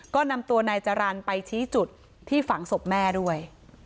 ก็นำตัวนายจรรย์ไปชี้จุดที่ฝังศพแม่ด้วย